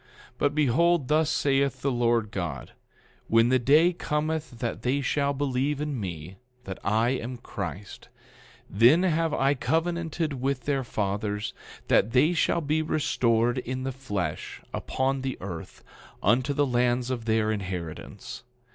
10:7 But behold, thus saith the Lord God: When the day cometh that they shall believe in me, that I am Christ, then have I covenanted with their fathers that they shall be restored in the flesh, upon the earth, unto the lands of their inheritance.